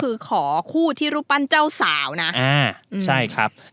คือขอคู่ที่รูปปั้นเจ้าสาวนะอ่าใช่ครับ